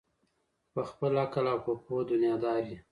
په خپل عقل او په پوهه دنیادار یې